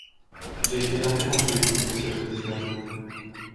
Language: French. J’ai été interrompu, monsieur le président.